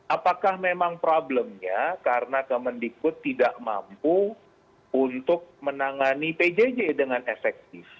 apakah memang problemnya karena kemendikbud tidak mampu untuk menangani pjj dengan efektif